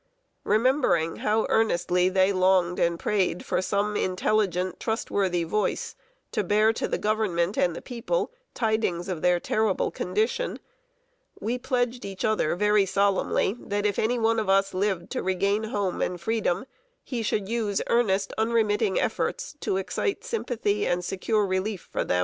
Remembering how earnestly they longed and prayed for some intelligent, trustworthy voice to bear to the Government and the people tidings of their terrible condition, we pledged each other very solemnly, that if any one of us lived to regain home and freedom, he should use earnest, unremitting efforts to excite sympathy and secure relief for them.